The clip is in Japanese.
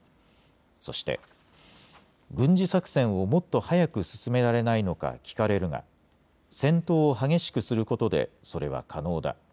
そして軍事作戦をもっと早く進められないのか聞かれるが戦闘を激しくすることでそれは可能だ。